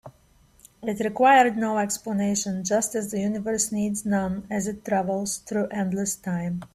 It required no explanation, just as the universe needs none as it travels through endless time.